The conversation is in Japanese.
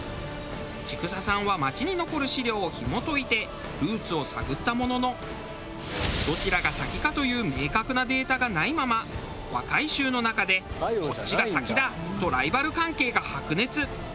千種さんは町に残る資料をひも解いてルーツを探ったもののどちらが先かという明確なデータがないまま若い衆の中でこっちが先だ！とライバル関係が白熱。